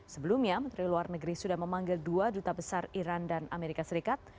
sebelumnya menteri luar negeri sudah memanggil dua duta besar iran dan amerika serikat